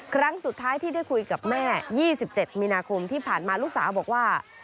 ครั้งสุดท้ายที่ได้คุยกับแม่๒๗มีนาคมที่ผ่านมาลูกสาวบอกว่า